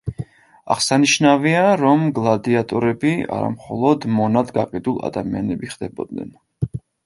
აღსანიშნავია, რომ გლადიატორები არა მხოლოდ მონად გაყიდულ ადამიანები ხდებოდნენ.